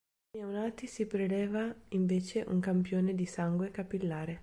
Nei neonati, si preleva invece un campione di sangue capillare.